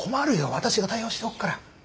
私が対応しておくから。